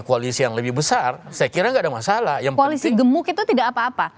koalisi yang lebih besar saya kira nggak ada masalah yang koalisi gemuk itu tidak apa apa